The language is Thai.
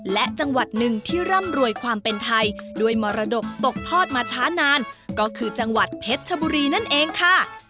และจังหวัดหนึ่งที่ร่ำรวยความเป็นไทยด้วยมรดกตกทอดมาช้านานก็คือจังหวัดเพชรชบุรีนั่นเองค่ะ